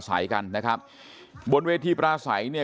คุณวราวุฒิศิลปะอาชาหัวหน้าภักดิ์ชาติไทยพัฒนา